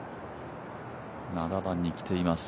７番に来ています。